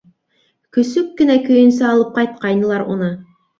Көсөк кенә көйөнсә алып ҡайтҡайнылар уны.